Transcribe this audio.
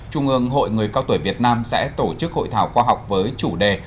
trung ương hội người cao tuổi việt nam sẽ tổ chức hội thảo khoa học với chủ đề